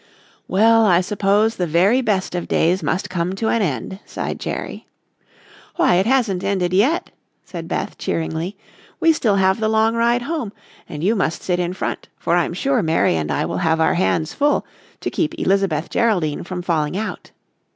"Well, I suppose the very best of days must come to an end," sighed Jerry. "Why, it hasn't ended yet," said Beth, cheeringly. "We still have the long ride home, and you must sit in front, for I'm sure Mary and I will have our hands full to keep Elizabeth Geraldine from falling out."